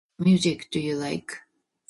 Music do you like?